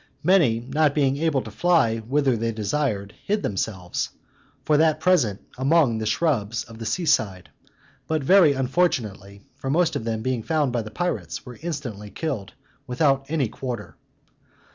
Many, not being able to fly whither they desired, hid themselves, for that present, among the shrubs of the sea side, but very unfortunately; for most of them being found by the pirates, were instantly killed, without any quarter.